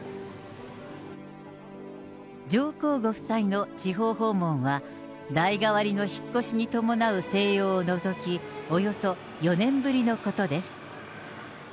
上皇ご夫妻の地方訪問は代替わりの引っ越しに伴う静養を除き、およそ４年ぶりのことです。